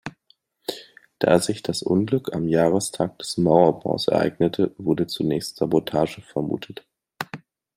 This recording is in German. Da sich das Unglück am Jahrestag des Mauerbaus ereignete, wurde zunächst Sabotage vermutet.